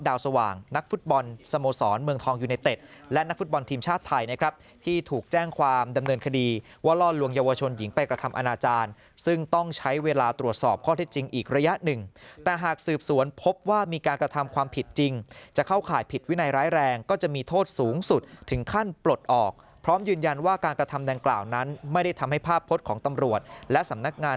ดาวสว่างนักฟุตบอลสโมสรเมืองทองยูเนตเต็ดและนักฟุตบอลทีมชาติไทยนะครับที่ถูกแจ้งความดำเนินคดีว่าลอนลวงเยาวชนหญิงไปกระทำอาณาจารย์ซึ่งต้องใช้เวลาตรวจสอบข้อที่จริงอีกระยะหนึ่งแต่หากสืบสวนพบว่ามีการกระทำความผิดจริงจะเข้าข่ายผิดวินัยร้ายแรงก็จะมีโทษสูงสุดถึง